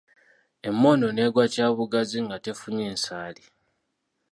Emmondo n'egwa kyabugazi nga tefunye nsaali.